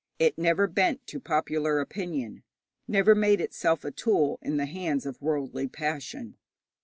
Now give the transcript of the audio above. It never bent to popular opinion, never made itself a tool in the hands of worldly passion.